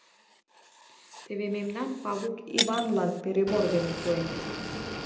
Теве мемнам Павук Иванлан перебор дене пуэн...